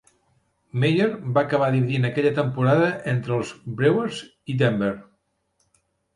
Meyer va acabar dividint aquella temporada entre els Brewers i Denver.